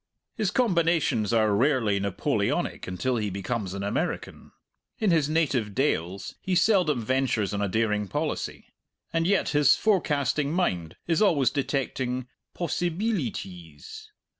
His combinations are rarely Napoleonic until he becomes an American. In his native dales he seldom ventures on a daring policy. And yet his forecasting mind is always detecting "possibeelities."